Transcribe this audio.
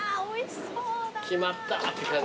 決まったって感じ。